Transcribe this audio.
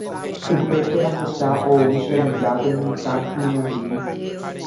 Upépe ahecha ou che rendápe mitã pynandi.